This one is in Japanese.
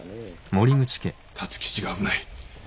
辰吉が危ない。